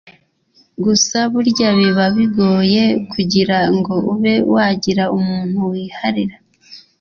gusa burya biba bigoye kugira ngo ube wagira umuntu wiharira